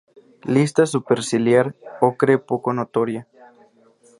Lista superciliar ocre poco notoria.